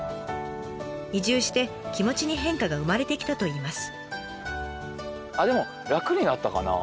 移住して気持ちに変化が生まれてきたといいます。